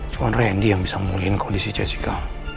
cuma randy yang bisa memulihkan kondisi jessica